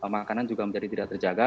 makanan juga menjadi tidak terjaga